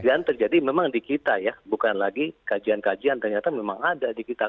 dan terjadi memang di kita ya bukan lagi kajian kajian ternyata memang ada di kita